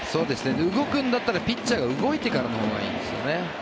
動くんだったらピッチャーが動いてからのほうがいいんですね。